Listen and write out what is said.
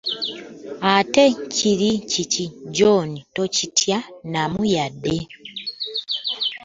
Ate kiri ki, John tokitya namu yadde.